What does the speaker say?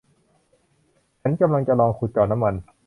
ฉันกำลังจะลองขุดเจาะน้ำมัน